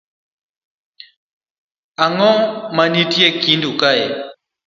Ang'o ma nitie e kindu kae.